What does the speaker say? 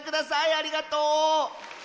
ありがとう！